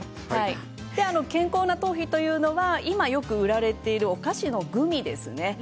健康な頭皮は今、売られているお菓子のグミですね。